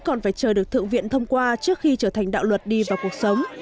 còn phải chờ được thượng viện thông qua trước khi trở thành đạo luật đi vào cuộc sống